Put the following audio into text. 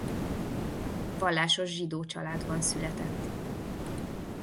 Vallásos zsidó családban született.